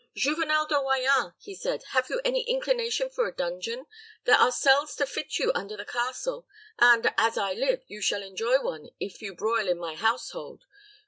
"Juvenel de Royans," he said, "have you any inclination for a dungeon? There are cells to fit you under the castle; and, as I live, you shall enjoy one if you broil in my household.